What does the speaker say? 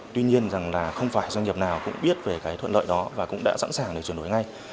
tuy nhiên rằng là không phải doanh nghiệp nào cũng biết về cái thuận lợi đó và cũng đã sẵn sàng để chuyển đổi ngay